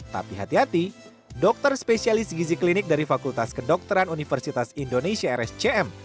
tapi hati hati dokter spesialis gizi klinik dari fakultas kedokteran universitas indonesia rscm